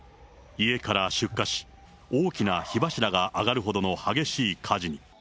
家から出火し、大きな火柱が上がるほどの激しい火事に。